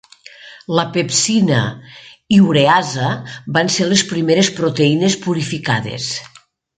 La pepsina i ureasa van ser les primeres proteïnes purificades.